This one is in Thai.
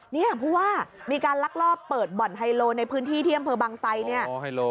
เนี่ยเพราะว่ามีการลักลอบเปิดบ่อนไฮโลในพื้นที่ที่อำเภอบางไซเนี่ย